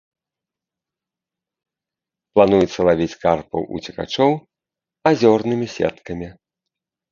Плануецца лавіць карпаў-уцекачоў азёрнымі сеткамі.